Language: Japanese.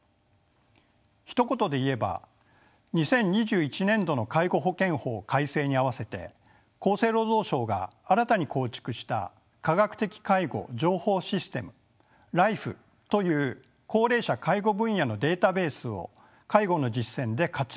ひと言で言えば２０２１年度の介護保険法改正に合わせて厚生労働省が新たに構築した科学的介護情報システムＬＩＦＥという高齢者介護分野のデータベースを介護の実践で活用するというものです。